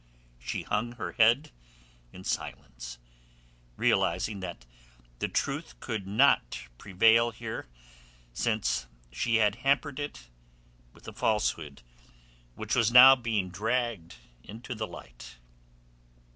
She hung her head in silence, realizing that the truth could not prevail here since she had hampered it with a falsehood, which was now being dragged into the light.